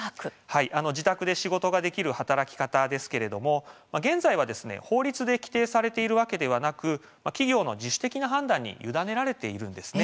自宅で仕事ができる働き方ですが現在は、法律で規定されているわけではなく企業の自主的な判断に委ねられています。